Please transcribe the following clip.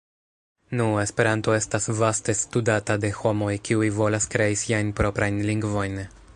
Nu, Esperanto estas vaste studata de homoj, kiuj volas krei siajn proprajn lingvojn.